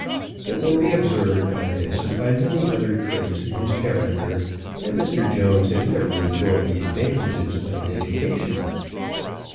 It will be observed by this and by many other traits in his character that Mr. Jones had never enjoyed the advantages of an education.